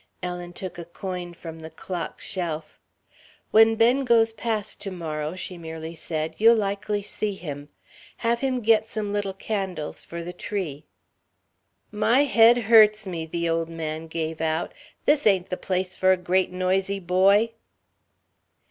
Ellen took a coin from the clock shelf. "When Ben goes past to morrow," she merely said, "you'll likely see him. Have him get some little candles for the tree." "My head hurts me," the old man gave out; "this ain't the place for a great noisy boy."